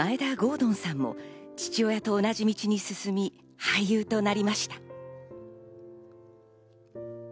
敦さんも父親と同じ道に進み俳優となりました。